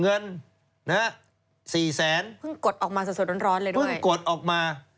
เงิน๔๐๐๐๐๐บาทเพิ่งกดออกมาสดเลยด้วย